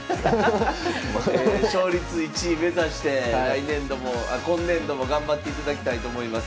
勝率１位目指して来年度もあ今年度も頑張っていただきたいと思います。